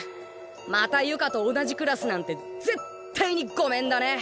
また由香と同じクラスなんてぜったいにごめんだね！